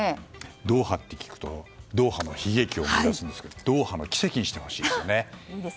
ドーハって聞くとドーハの悲劇を思い出しますがドーハの奇跡にしてほしいですよね。